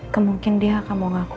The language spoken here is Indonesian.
kemungkin dia akan mau ngaku